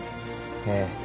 ええ。